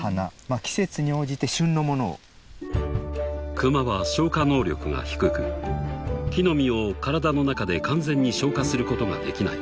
［クマは消化能力が低く木の実を体の中で完全に消化することができない］